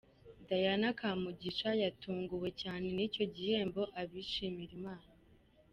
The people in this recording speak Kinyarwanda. Diana Kamugisha yatunguwe cyane n'icyo gihembo abishimira Imana.